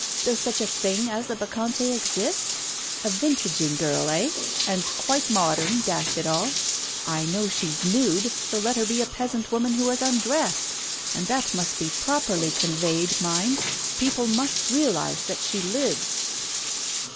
Does such a thing as a Bacchante exist? A vintaging girl, eh? And quite modern, dash it all. I know she's nude, so let her be a peasant woman who has undressed. And that must be properly conveyed, mind; people must realise that she lives.